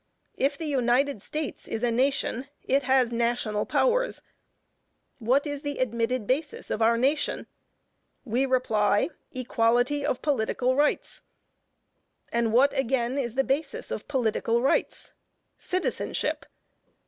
If the United States is a nation, it has national powers. What is the admitted basis of our nation? We reply, equality of political rights. And what, again, is the basis of political rights? Citizenship.